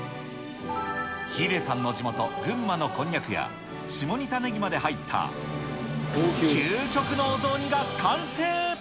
ヒデさんの地元、群馬のコンニャクや、下仁田ネギまで入った究極のお雑煮が完成。